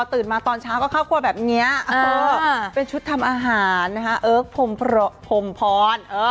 ตื่นมาตอนเช้าก็เข้าครัวแบบนี้เป็นชุดทำอาหารนะคะเอิ๊กพรมพร